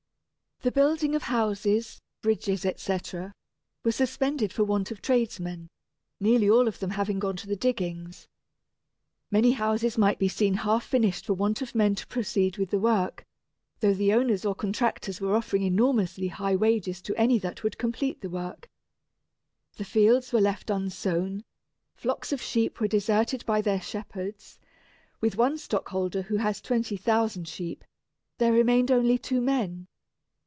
The building of houses, bridges, etc., was suspended for want of tradesmen, nearly all of them having gone to the diggings. Many houses might be seen half finished for want of men to proceed with the work, though the owners or contractors were offering enormously high wages to any that would complete the work. The fields were left unsown, flocks of sheep were deserted by their shepherds. With one stockholder who has twenty thousand sheep, there remained only two men.